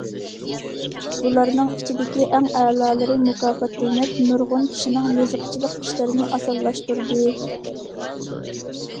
بۇلارنىڭ ئىچىدىكى ئەڭ ئەلالىرى مۇكاپاتلىنىپ، نۇرغۇن كىشىنىڭ يېزىقچىلىق ئىشلىرىنى ئاسانلاشتۇردى.